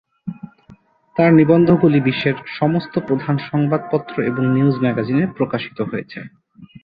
তাঁর নিবন্ধগুলি বিশ্বের সমস্ত প্রধান সংবাদপত্র এবং নিউজ ম্যাগাজিনে প্রকাশিত হয়েছে।